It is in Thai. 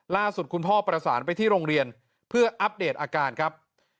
ล่าสุดคุณพ่อประสานไปที่โรงเรียนเพื่ออัปเดตอาการครับ